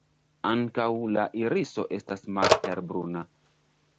Ankaŭ la iriso estas malhelbruna.